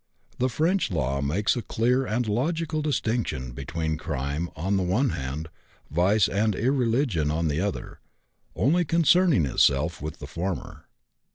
The French law makes a clear and logical distinction between crime on the one hand, vice and irreligion on the other, only concerning itself with the former.